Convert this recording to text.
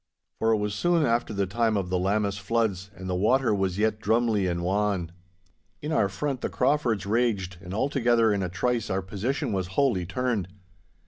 For it was soon after the time of the Lammas floods, and the water was yet drumlie and wan. In our front the Craufords raged, and altogether in a trice our position was wholly turned.